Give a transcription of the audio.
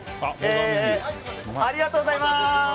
ありがとうございます！